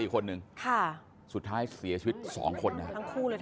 อีกคนนึงสุดท้ายเสียชีวิต๒คนครับ